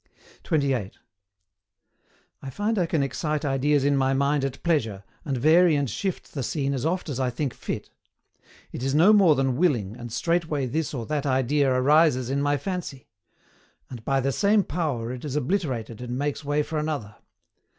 28. I find I can excite ideas in my mind at pleasure, and vary and shift the scene as oft as I think fit. It is no more than willing, and straightway this or that idea arises in my fancy; and by the same power it is obliterated and makes way for another.